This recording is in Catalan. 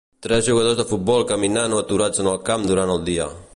Tres jugadors de futbol caminant o aturats en el camp durant el dia.